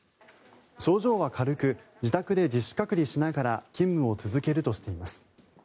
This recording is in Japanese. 症状は軽く自宅で自主隔離しながら勤務を続けるとしています。